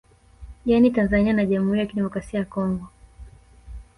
Yani Tanzania na Jamhuri ya Kidemokrasia ya Congo